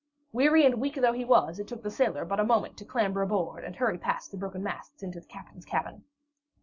Weary and weak though he was, it took the sailor but a moment to clamber aboard, and hurry past the broken masts into the captain's cabin.